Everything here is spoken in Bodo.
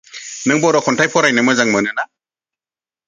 नों बर' खन्थाइ फरायनो मोजां मोनो ना?